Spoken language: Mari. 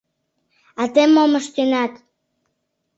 — А тый мом ыштенат?